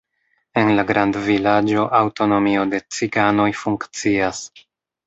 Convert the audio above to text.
En la grandvilaĝo aŭtonomio de ciganoj funkcias.